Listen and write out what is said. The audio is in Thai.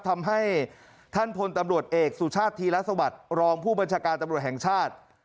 ทำให้ท่านพลตำรวจเอกสุชาติธีรสวัสดิ์รองผู้บัญชาการตำรวจแห่งชาติ